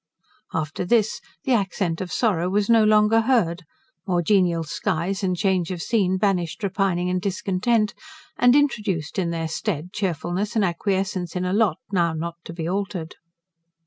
After this the accent of sorrow was no longer heard; more genial skies and change of scene banished repining and discontent, and introduced in their stead cheerfulness and acquiescence in a lot, now not to be altered.